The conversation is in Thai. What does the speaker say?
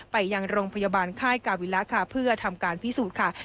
ไปยังโรงพยาบาลค่ายกาวิระค่ะเพื่อทำการพิสูจน์ค่ะ